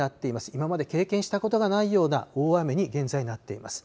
今まで経験したことがないような大雨に現在、なっています。